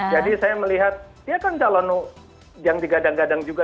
jadi saya melihat dia kan calon yang digadang gadang juga